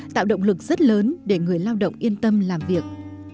tạo động lực rất lớn để người lao động yên tâm làm việc